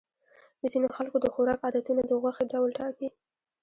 د ځینو خلکو د خوراک عادتونه د غوښې ډول ټاکي.